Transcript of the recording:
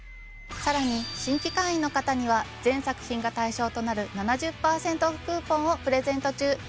さらに新規会員の方には全作品が対象となる７０％オフクーポンをプレゼント中。